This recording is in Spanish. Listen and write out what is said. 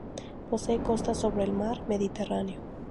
Posee costas sobre el mar Mediterráneo.